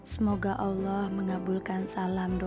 semoga allah mengabulkan salam doa